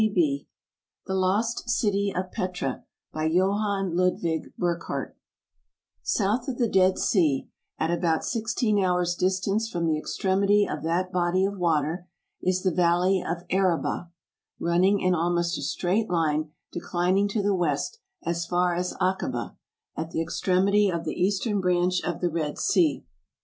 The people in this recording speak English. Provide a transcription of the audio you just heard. ASIA The Lost City of Petra By JOHANN LUDWIG BURCKHARDT SOUTH of the Dead Sea, at about sixteen hours' distance from the extremity of that body of water, is the Valley of Araba, running in almost a straight line, declining to the west, as far as Akaba, at the extremity of the eastern branch of the Red Sea.